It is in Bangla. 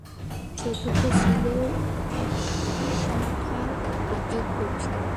চতুর্থ ছিল ঈশাখার-এর গোত্র।